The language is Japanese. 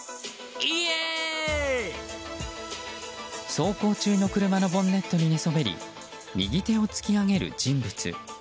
走行中の車のボンネットに寝そべり右手を突き上げる人物。